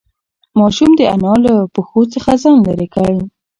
ماشوم د انا له پښو څخه ځان لیرې کړ.